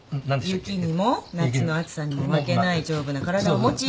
雪にも夏の暑さにも負けない丈夫な体を持ち。